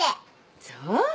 そう。